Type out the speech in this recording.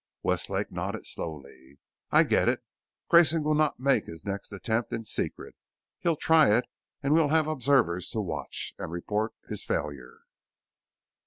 Westlake nodded slowly. "I get it. Grayson will not make his next attempt in secret. He'll try it and we'll have observers to watch and report his failure."